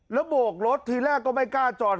แล้วโบกรถทีแรกก็ไม่กล้าจอด